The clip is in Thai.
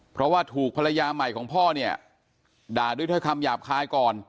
เพราะว่าถูกภรรยาใหม่ของพ่อเนี่ยด่าด้วยถ้อยคำหยาบคายก่อน